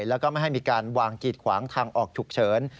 แล้วก็ไม่ให้มีการวางกีดขวางทางออกฉุกเฉิน